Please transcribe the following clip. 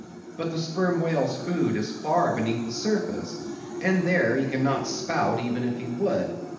But the Sperm Whale's food is far beneath the surface, and there he cannot spout even if he would.